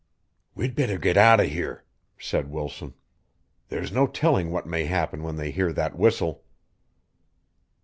"We'd better get out of here," said Wilson. "There's no telling what may happen when they hear that whistle."